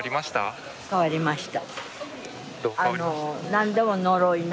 どう変わりました？